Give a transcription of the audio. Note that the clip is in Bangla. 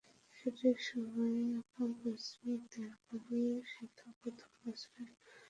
ঠিক সময়ে আগাম পারিশ্রমিক দেওয়ার পরও সিধু প্রথম বছরেই শর্ত পূরণে ব্যর্থ হন।